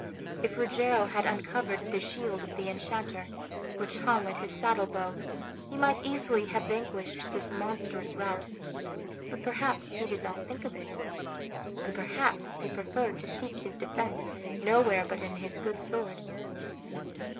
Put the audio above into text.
If Rogero had uncovered the shield of the enchanter, which hung at his saddle bow, he might easily have vanquished this monstrous rout; but perhaps he did not think of it, and perhaps he preferred to seek his defence nowhere but in his good sword.